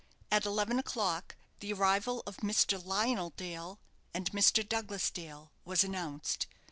At eleven o'clock the arrival of Mr. Dale and Mr. Douglas Dale was announced.